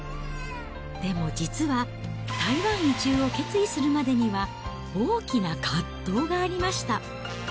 でも実は、台湾移住を決意するまでには、大きな葛藤がありました。